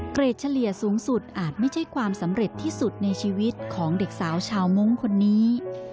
เกรดเฉลี่ยสูงสุดอาจไม่ใช่ความสำเร็จที่สุดในชีวิตของเด็กสาวชาวมงค์คนนี้